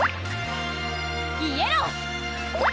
イエロー！